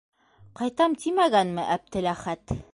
Ҡайтам тимәгәнме Әптеләхәт?